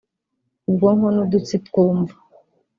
ubwonko n’udutsi twumva